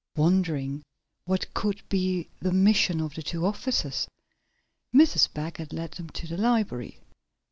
Wondering what could be the mission of the two officers, Mrs. Baggert led them to the library.